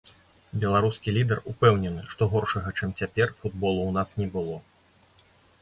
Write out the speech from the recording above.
Беларускі лідар упэўнены, што горшага чым цяпер футболу ў нас не было.